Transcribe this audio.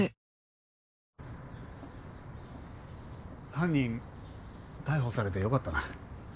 犯人逮捕されて良かったな。